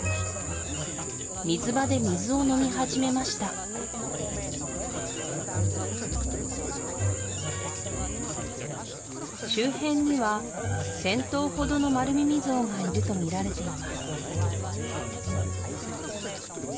水場で水を飲み始めました周辺には１０００頭ほどのマルミミゾウがいると見られています